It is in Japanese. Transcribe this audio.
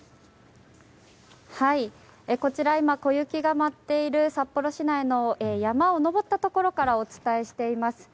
こちら、今小雪が舞っている札幌市内の山を登ったところからお伝えしています。